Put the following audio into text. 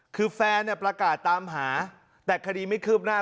คือแฟนเนี่ยประกาศตามหาแต่คดีไม่คืบหน้า